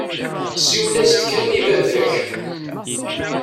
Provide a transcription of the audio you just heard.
Siwel-as-d kan i baba-k.